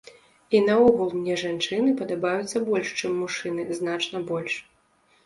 І наогул мне жанчыны падабаюцца больш чым мужчыны, значна больш.